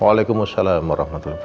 waalaikumsalam warahmatullahi wabarakatuh